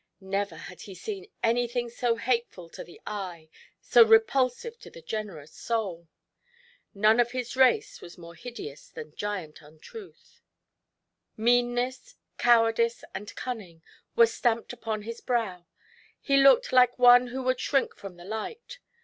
Never had he seen anything so hateful to the eye, so repulsive to the generous soul. None of his race was more hideous than Giant Untruth; meanness, cowardice, GIANT UNTRUTH. 61 and cunning were stamped upon his brow; he looked like one who would shrink from the light.